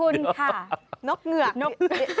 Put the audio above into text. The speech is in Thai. นกเหงือก